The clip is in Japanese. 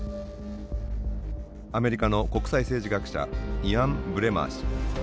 アメリカの国際政治学者イアン・ブレマー氏。